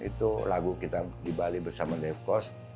itu lagu kita di bali bersama devkos